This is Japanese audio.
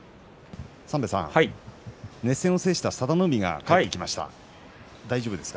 熱戦を制した佐田の海が帰ってきました。